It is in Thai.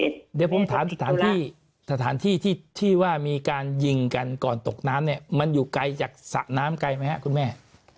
เดี๋ยวผมถามสถานที่สถานที่ที่ว่ามีการยิงกันก่อนตกน้ำเนี่ยมันอยู่ไกลจากสระน้ำไกลไหมครับคุณแม่